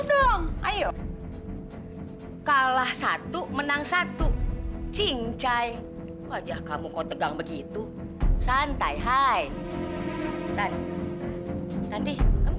dong ayo kalah satu menang satu cincai wajah kamu kau tegang begitu santai hai nanti kamu